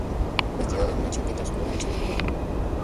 Vestido de una chaqueta oscura y un chaleco rojo.